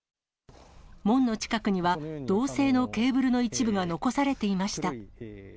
門の近くには、銅製のケーブルの一部が残されていました。